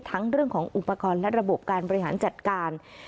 เรื่องของอุปกรณ์และระบบการบริหารจัดการ